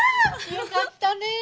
よかったね。